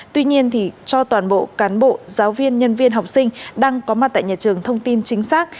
tuy nhiên cho toàn bộ cán bộ giáo viên nhân viên học sinh đang có mặt tại nhà trường thông tin chính xác